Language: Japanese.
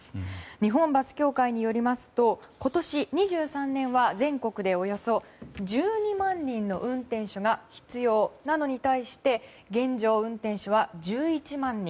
日本バス協会によりますと今年２０２３年は全国でおよそ１２万人の運転手が必要なのに対して現状、運転手は１１万人。